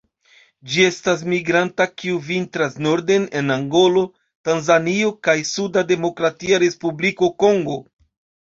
Ĝi estas migranta kiu vintras norden en Angolo, Tanzanio kaj suda Demokratia Respubliko Kongo.